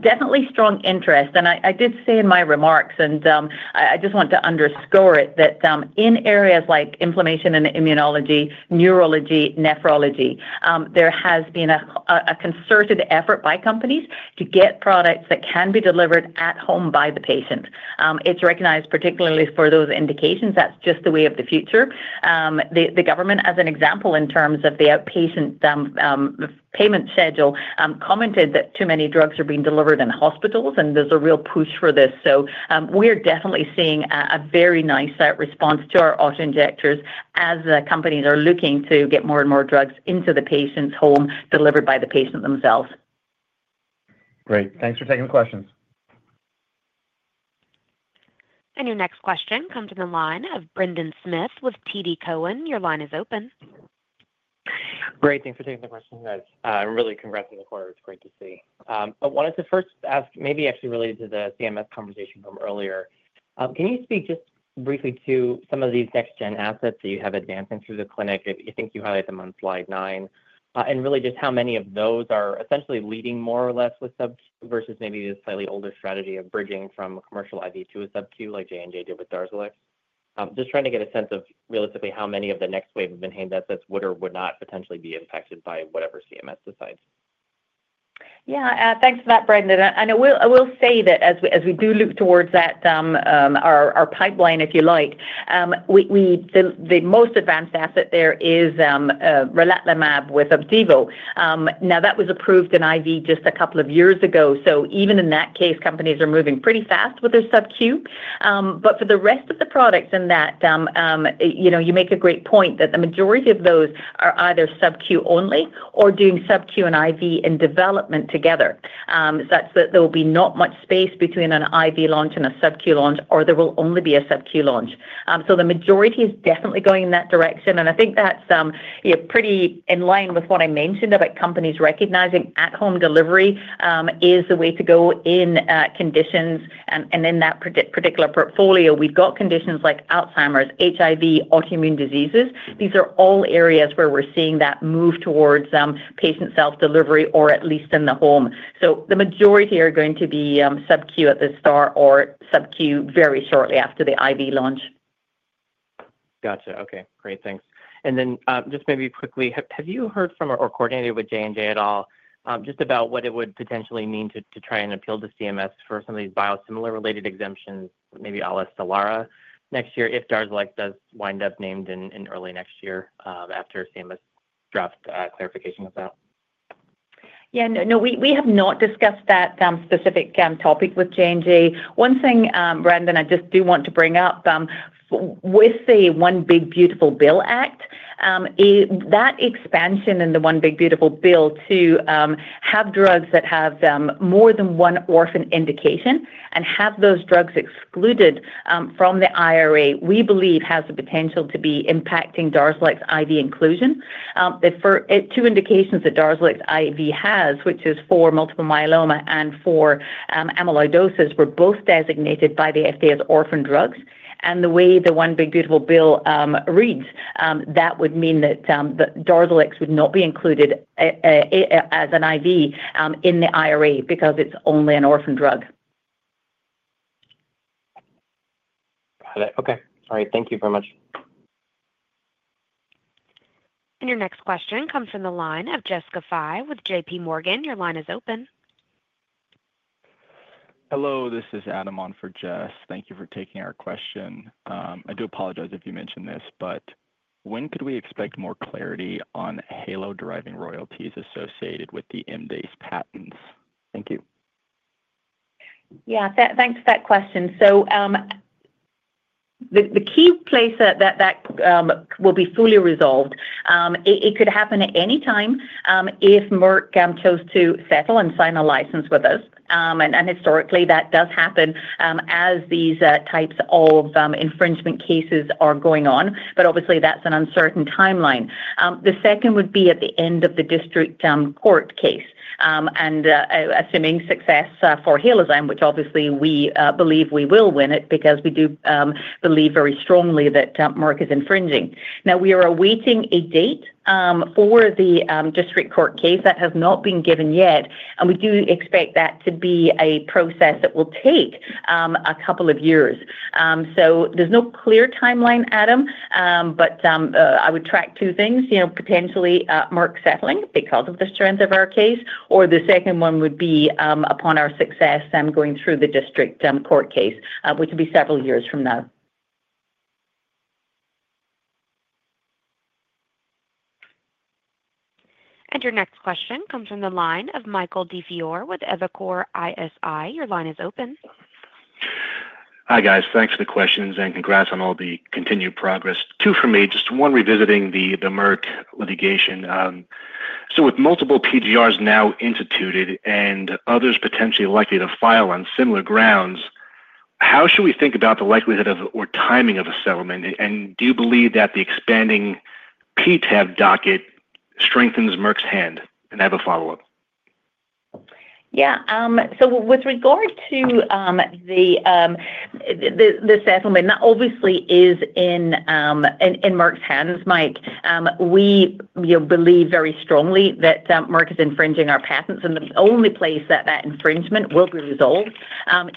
definitely strong interest. I did say in my remarks. I just want to underscore it that in areas like inflammation and immunology, neurology, nephrology, there has been a concerted effort by companies to get products that can be delivered at home by the patient. It's recognized particularly for those indications. That's just the way of the future. The government, as an example, in terms of the outpatient payment schedule, commented that too many drugs are being delivered in hospitals, and there's a real push for this. We are definitely seeing a very nice response to our autoinjectors, as the companies are looking to get more and more drugs into the patient's home, delivered by the patient themselves. Great. Thanks for taking the questions. Your next question comes from the line of Brendan Smith with TD Cowen. Your line is open. Great. Thanks for taking the question, guys. Really congrats on the quarter. It's great to see. I wanted to first ask, maybe actually related to the CMS conversation from earlier, can you speak just briefly to some of these next-gen assets that you have advancing through the clinic? I think you highlighted them on slide nine, and really just how many of those are essentially leading more or less with subcu versus maybe the slightly older strategy of bridging from a commercial IV to a subcutaneous like J&J did with Darzalex? Just trying to get a sense of realistically how many of the next wave of ENHANZE assets would or would not potentially be impacted by whatever CMS decides. Yeah. Thanks for that, Brendan. I will say that as we do look towards that, our pipeline, if you like, the most advanced asset there is relatlimab with Opdivo. Now, that was approved in IV just a couple of years ago. Even in that case, companies are moving pretty fast with their subcu. For the rest of the products in that, you make a great point, that the majority of those are either subcutaneous only or doing subcutaneous and IV in development together. That there will be no much space between an IV launch and a subcutaneous launch, or there will only be a subcutaneous launch. The majority is definitely going in that direction. I think that's pretty in line with what I mentioned about companies recognizing at-home delivery, is the way to go in conditions. In that particular portfolio, we've got conditions like Alzheimer's, HIV, autoimmune diseases. These are all areas where we're seeing that move towards patient self-delivery or at least in the home. The majority are going to be subcu at the start or subcutaneous very shortly after the IV launch. Got you. Okay, great. Thanks. Just maybe quickly, have you heard from or coordinated with J&J at all, just about what it would potentially mean to try and appeal to CMS for some of these biosimilar-related exemptions, maybe Astellara next year if Darzalex does wind up named in early next year after the CMS draft clarification of that? Yeah. No, we have not discussed that specific topic with J&J. One thing, Brendan, I just do want to bring up, with the One Big Beautiful Bill Act, that expansion in the One Big Beautiful Bill to have drugs that have more than one orphan indication and have those drugs excluded from the IRA, we believe has the potential to be impacting Darzalex IV inclusion. For the two indications that Darzalex IV has, which is for multiple myeloma and for amyloidosis, were both designated by the FDA as orphan drugs. The way the One Big Beautiful Bill reads, that would mean that Darzalex would not be included as an IV in the IRA because it's only an orphan drug. Got it, okay. All right, thank you very much. Your next question comes from the line of Jess with JPMorgan. Your line is open. Hello, this is Adam on for Jess. Thank you for taking our question. I do apologize if you mentioned this, but when could we expect more clarity on Halo deriving royalties associated with the MDASE patents? Thank you. Yeah, thanks for that question. The key place is that that will be fully resolved, it could happen at any time if Merck chose to settle and sign a license with us. Historically, that does happen as these types of infringement cases are going on. Obviously, that's an uncertain timeline. The second would be at the end of the district court case. Assuming success for Halozyme, which obviously we believe we will win it because we do believe very strongly that Merck is infringing, now, we are awaiting a date for the district court case that has not been given yet. We do expect that to be a process that will take a couple of years. There's no clear timeline, Adam, but I would track two things, potentially Merck settling because of the strength of our case or the second one would be upon our success and going through the district court case, which would be several years from now. Your next question comes from the line of Michael DiFiore with Evercore ISI. Your line is open. Hi guys, thanks for the questions and congrats on all the continued progress. Two for me, just one revisiting the Merck litigation. With multiple PGRs now instituted and others potentially likely to file on similar grounds, how should we think about the likelihood of or timing of a settlement? Do you believe that the expanding PTAB docket strengthens Merck's hand? I have a follow-up. Yeah, so with regard to the settlement, that obviously is in Merck's hands, Mike. We believe very strongly that Merck is infringing our patents, and the only place that that infringement will be resolved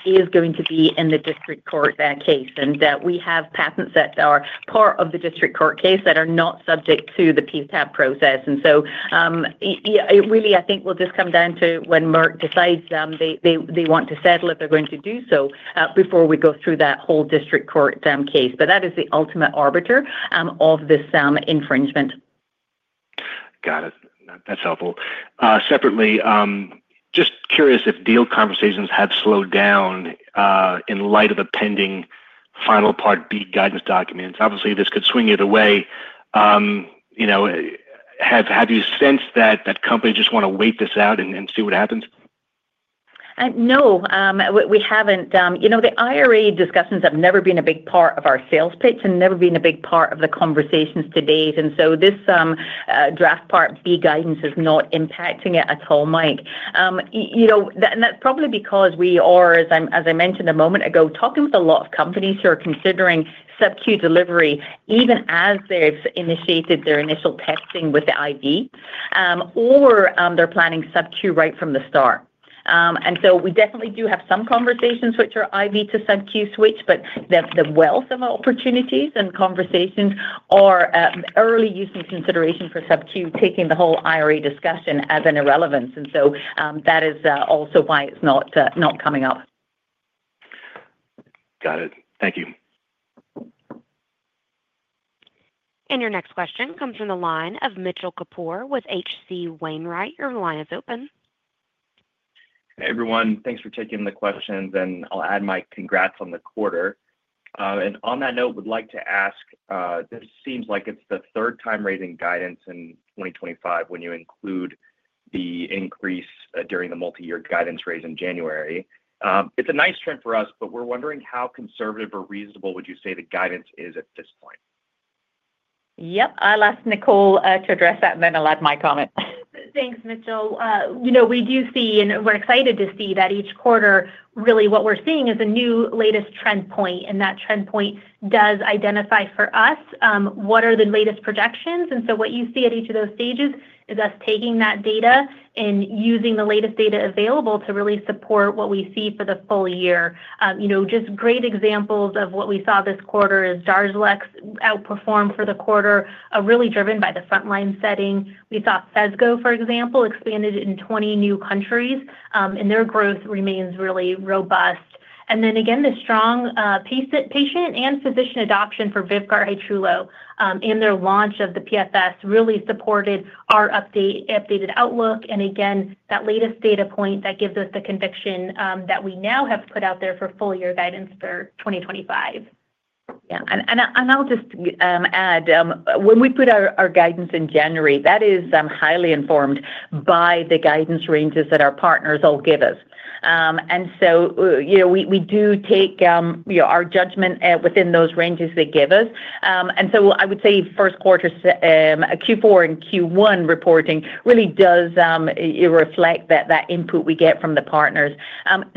is going to be in the district court case. We have patents that are part of the district court case, that are not subject to the PTAB process. Really, I think it will just come down to, when Merck decides they want to settle, if they're going to do so before we go through that whole district court case. That is the ultimate arbiter of this infringement. Got it. That's helpful. Separately, just curious if deal conversations have slowed down in light of a pending final Part B guidance document. Obviously, this could swing either way. Have you sensed that companies just want to wait this out and see what happens? No, we haven't. The IRA discussions have never been a big part of our sales pitch, and never been a big part of the conversations to date. This draft part B guidance is not impacting it at all, Mike. That's probably because we are, as I mentioned a moment ago, talking with a lot of companies who are considering subcu delivery, even as they've initiated their initial testing with the IV or they're planning subcutaneous right from the start. We definitely do have some conversations which are IV to subcutaneous switch, but the wealth of opportunities and conversations are early usage considerations for subcu, taking the whole IRA discussion as an irrelevance. That is also why it's not coming up. Got it. Thank you. Your next question comes from the line of Mitchell Kapoor with HC Wainwright. Your line is open. Hey everyone, thanks for taking the questions. I'll add my congrats on the quarter. On that note, I would like to ask, this seems like it's the third time raising guidance in 2025, when you include the increase during the multi-year guidance raise in January. It's a nice trend for us, but we're wondering, how conservative or reasonable would you say the guidance is at this point? Yep. I'll ask Nicole to address that, and then I'll add my comment. Thanks, Mitchell. We do see, and we're excited to see that each quarter, really what we're seeing is a new latest trend point. That trend point does identify for us, what are the latest projections? What you see at each of those stages is us taking that data, and using the latest data available to really support what we see for the full year. Great examples of what we saw this quarter is Darzalex outperformed for the quarter, really driven by the frontline setting. We saw Phesgo, for example, expanded in 20 new countries and their growth remains really robust. Again, the strong patient and physician adoption for Vyvgart Hytrulo and their launch of the PFS really supported our updated outlook. Again, that latest data point, that gives us the conviction that we now have put out there for full-year guidance for 2025. Yeah. I'll just add, when we put our guidance in January, that is highly informed by the guidance ranges that our partners all give us. We do take our judgment within those ranges they give us. I would say first quarter, Q4 and Q1 reporting, really does reflect that input we get from the partners.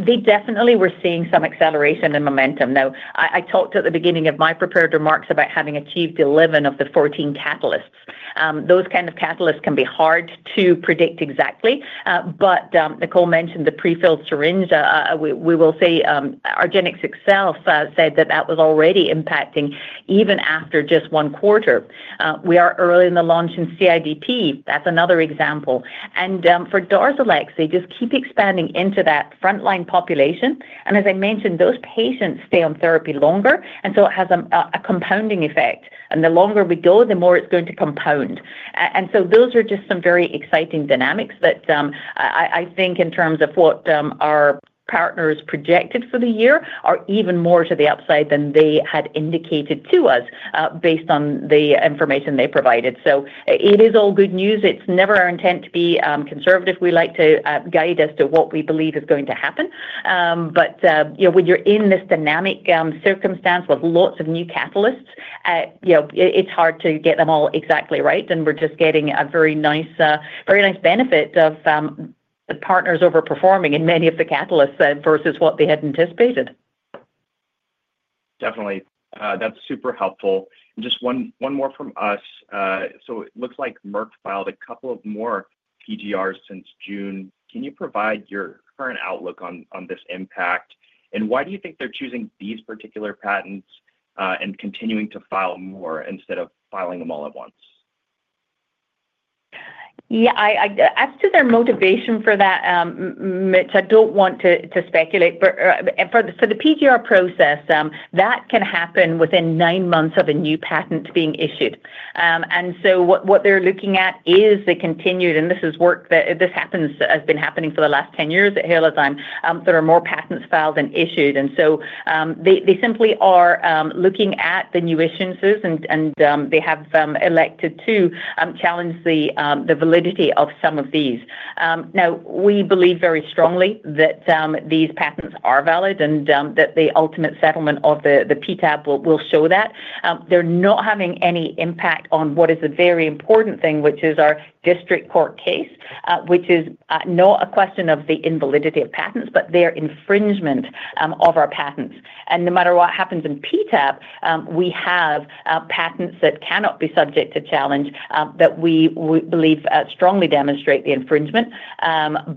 We definitely were seeing some acceleration in momentum. Now, I talked at the beginning of my prepared remarks about having achieved 11 of the 14 catalysts. Those kinds of catalysts can be hard to predict exactly. Nicole mentioned the prefilled syringe. We will say, argenx itself said that that was already impacting even after just one quarter. We are early in the launch in CIDP. That's another example. For Darzalex, they just keep expanding into that frontline population. As I mentioned, those patients stay on therapy longer and so it has a compounding effect. The longer we go, the more it's going to compound. Those are just some very exciting dynamics that I think in terms of what our partners projected for the year, are even more to the upside than they had indicated to us based on the information they provided. It is all good news. It's never our intent to be conservative. We like to guide us to what we believe is going to happen. When you're in this dynamic circumstance with lots of new catalysts, it's hard to get them all exactly right. We're just getting a very nice benefit of the partners overperforming in many of the catalysts versus what they had anticipated. Definitely, that's super helpful. Just one more from us. It looks like Merck filed a couple more PGRs since June. Can you provide your current outlook on this impact? Why do you think they're choosing these particular patents and continuing to file more instead of filing them all at once? Yeah. As to their motivation for that, Mitch, I don't want to speculate. For the PGR process, that can happen within nine months of a new patent being issued. What they're looking at is the continued, and this happens, has been happening for the last 10 years at Halozyme, there are more patents filed and issued. They simply are looking at the new issuances, and they have elected to challenge the validity of some of these. We believe very strongly that these patents are valid, and that the ultimate settlement of the PTAB will show that. They're not having any impact on what is a very important thing, which is our district court case, which is not a question of the invalidity of patents, but their infringement of our patents. No matter what happens in PTAB, we have patents that cannot be subject to challenge, that we believe strongly demonstrate the infringement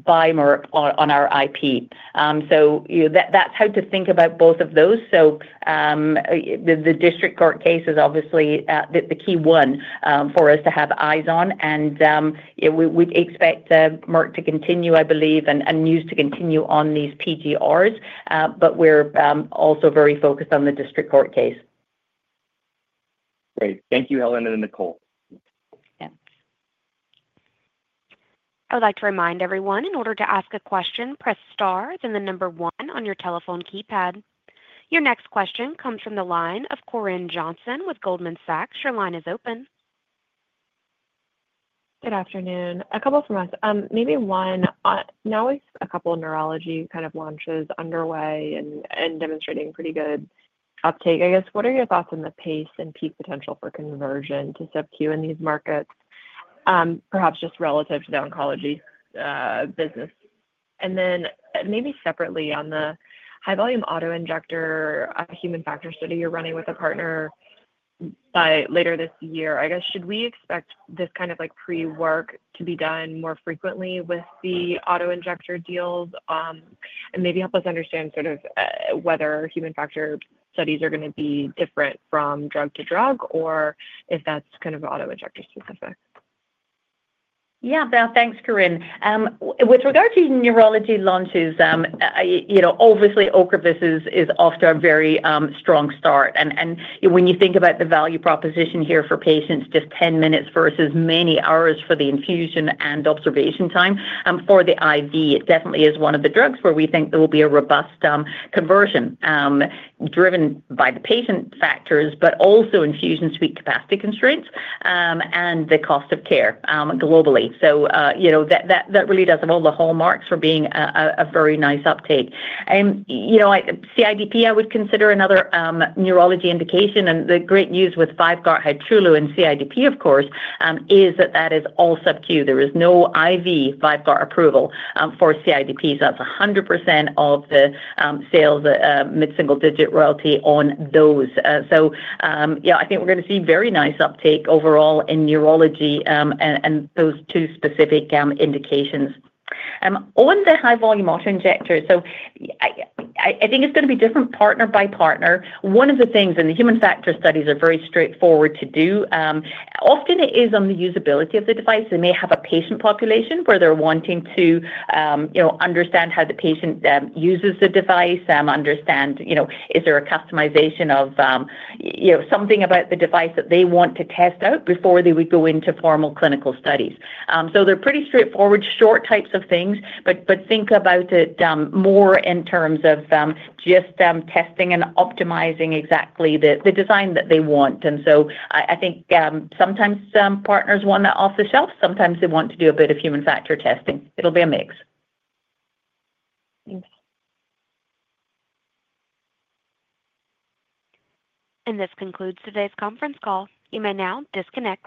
by Merck on our IP. That's how to think about both of those. The district court case is obviously the key one for us to have eyes on, and we'd expect Merck to continue, I believe and news to continue on these PGRs, but we're also very focused on the district court case. Great, thank you, Helen and Nicole. Thanks. I would like to remind everyone, in order to ask a question, press star then the number one on your telephone keypad. Your next question comes from the line of Corinne Johnson with Goldman Sachs. Your line is open. Good afternoon. A couple of remarks, maybe one, now we've a couple of neurology klaunches underway and demonstrating pretty good uptake. What are your thoughts on the pace and peak potential for conversion to subcU in these markets, perhaps just relative to the oncology business? Maybe separately on the high volume autoinjector human factor study you're running with a partner by later this year, should we expect this kind of pre-work to be done more frequently with the autoinjector deals? Maybe help us understand whether human factor studies are going to be different from drug to drug, or if that's kind of autoinjector specific. Yeah, now thanks, Corinne. With regard to neurology launches, obviously Ocrevus is off to a very strong start. When you think about the value proposition here for patients, just 10 minutes versus many hours for the infusion and observation time, for the IV, it definitely is one of the drugs where we think there will be a robust conversion driven by the patient factors, but also infusion suite capacity constraints and the cost of care globally. That really does have all the hallmarks for being a very nice uptake. CIDP, I would consider another neurology indication. The great news with Vyvgart Hytrulo and CIDP of course, is that that is all subcu. There is no IV Vyvgart approval for CIDP. That's 100% of the sales, mid-single digit royalty on those. I think we're going to see very nice uptake overall in neurology and those two specific indications. On the high-volume autoinjector, so I think it's going to be different partner by partner. One of the things, and the human factor studies are very straightforward to do, often it is on the usability of the device. They may have a patient population, where they're wanting to understand how the patient uses the device, understand, is there a customization of something about the device that they want to test out before they would go into formal clinical studies? They're pretty straightforward, short types of things, but think about it more in terms of just testing and optimizing exactly the design that they want. Sometimes partners want that off the shelf. Sometimes they want to do a bit of human factor testing. It'll be a mix. Thanks. This concludes today's conference call. You may now disconnect.